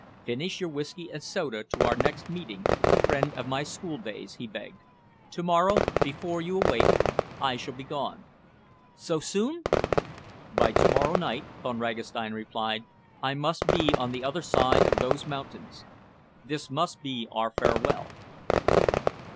"Finish your whisky and soda to our next meeting, friend of my school days," he begged. "To morrow, before you awake, I shall be gone." "So soon?" "By to morrow night," Von Ragastein replied, "I must be on the other side of those mountains. This must be our farewell."